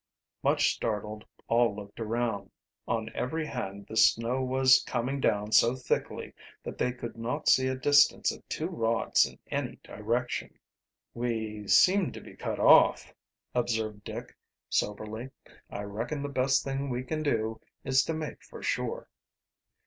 Much startled, all looked around. On every hand the snow was coming down so thickly that they could not see a distance of two rods in any direction. "We seem to be cut off," observed Dick soberly. "I reckon the best thing we can do is to make for shore."